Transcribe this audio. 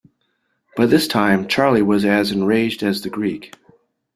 By this time Charley was as enraged as the Greek.